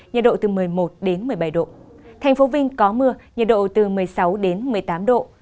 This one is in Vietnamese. nhiệt độ từ một mươi một đến một mươi bảy độ